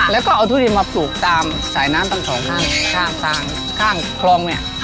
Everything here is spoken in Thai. แล้วก็เอาทุเรียนมาปลูกตามสายน้ำต่างข้างข้างคลองเนี่ย